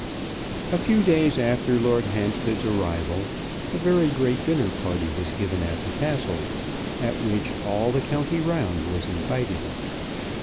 A few days after Lord Hampstead's arrival a very great dinner party was given at the Castle, at which all the county round was invited.